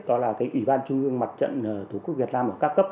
đó là ủy ban trung ương mặt trận thủ quốc việt nam ở các cấp